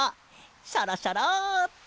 シャラシャラって！